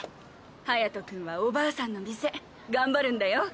隼君はおばあさんの店頑張るんだよ。